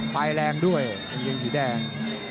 ไปแรงด้วยนี่จนสีแดง